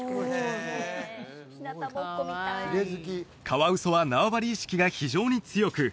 カワウソは縄張り意識が非常に強く